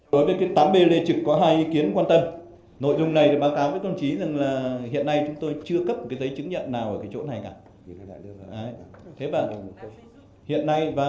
đối với tám b lê trực có hai ý kiến quan tâm nội dung này báo cáo với công chí rằng hiện nay chúng tôi chưa cấp giấy chứng nhận nào ở chỗ này cả